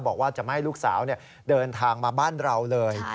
บอกว่าจะไม่ให้ลูกสาวเดินทางมาบ้านเราเลย